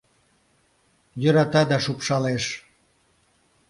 Йӧрата да шупшалеш.